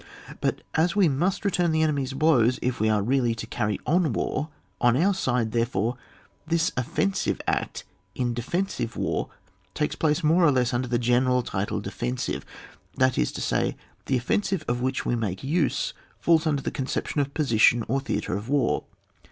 But as we must return the enemy's blows if we are really to carry on war on our side, therefore this offensive act in defen sive war takes *place more or less under the general title defensive — that is to say, the offensive of which we make use faUs under the conception of position or thea tre of war.